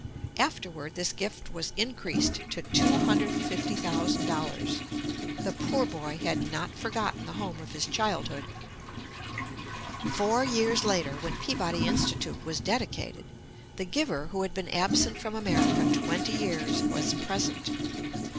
Afterward this gift was increased to two hundred and fifty thousand dollars. The poor boy had not forgotten the home of his childhood. Four years later, when Peabody Institute was dedicated, the giver, who had been absent from America twenty years, was present.